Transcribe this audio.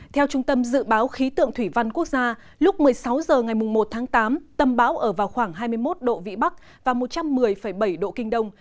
theo trung tâm dự báo khí tượng thủy văn quốc gia lúc một mươi sáu h ngày một tháng tám tâm bão ở vào khoảng hai mươi một độ vĩ bắc và một trăm một mươi bảy độ kinh đông